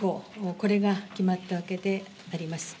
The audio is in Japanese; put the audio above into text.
これが決まったわけであります。